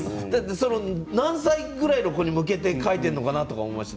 何歳ぐらいの子に向けて描いているのかなと思いました。